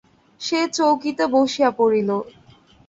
সে চৌকিতে বসিয়া পড়িল।